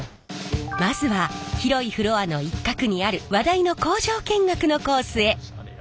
まずは広いフロアの一画にある話題の工場見学のコースへ。